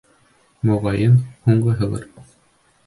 Моғайын, һуңғыһылыр.